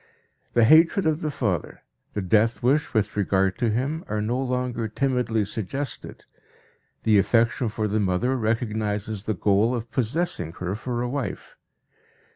The hatred of the father, the death wish with regard to him, are no longer timidly suggested, the affection for the mother recognizes the goal of possessing her for a wife.